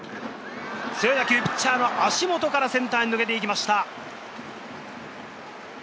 強い打球、ピッチャーの足元からセンターに抜けて行きました。